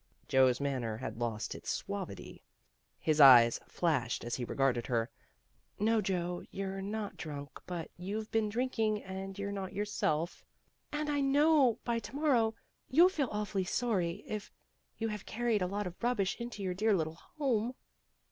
Joe's manner had lost its suavity. His eyes flashed as he regarded her. "No, Joe, you're not drunk, but you've been drinking and you're not yourself. And I know by to morrow you '11 feel awfully sorry if you have carried a lot of rubbish into your dear little home."